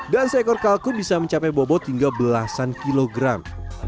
dan seekor kalkun bisa mencapai bobot hingga belasan kilogram